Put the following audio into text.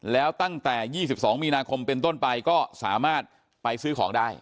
แล้วตั้งแต่๒๒มีนาคมเป็นต้นไปก็สามารถไปซื้อของได้